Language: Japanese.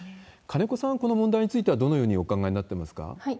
金子さんは、この問題についてはどのようにお考えになってますか？